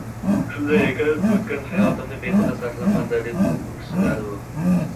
Shunday ekan, oʻtgan hayotimni behuda sarflabman-da, deb oʻkinadi u